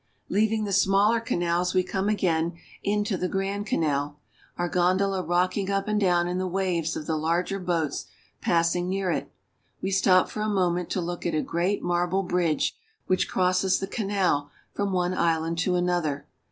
Leaving the smaller canals, we come again into the Grand Canal, our gondola rocking up and down in the waves of the larger boats passing near it ; we stop for a moment to look at a great marble bridge which crosses the canal from one island to another.